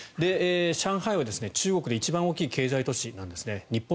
上海は中国で一番大きい経済都市なんです。